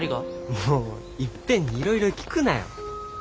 もういっぺんにいろいろ聞くなよ。